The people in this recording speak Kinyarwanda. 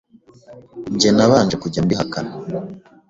Njye nabanje kujya mbihakana